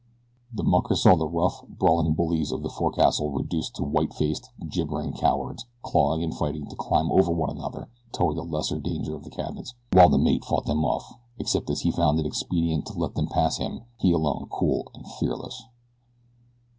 The mucker saw the rough, brawling bullies of the forecastle reduced to white faced, gibbering cowards, clawing and fighting to climb over one another toward the lesser danger of the cabins, while the mate fought them off, except as he found it expedient to let them pass him; he alone cool and fearless.